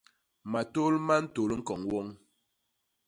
Matôl ma ntôl i ñkoñ woñ.